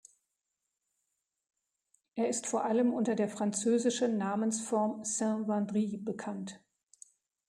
Er ist vor allem unter der französischen Namensform "Saint-Wandrille" bekannt.